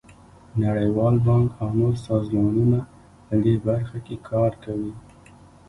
نړیوال بانک او نور سازمانونه په دې برخه کې کار کوي.